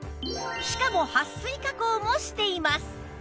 しかもはっ水加工もしています